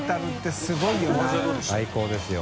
最高ですよ。